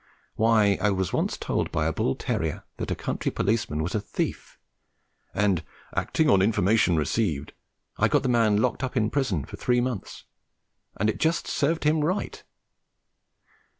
Why, I was once told by a bull terrier that a country policeman was a thief, and, "acting on information received," I got the man locked up in prison for three months, and it just served him right.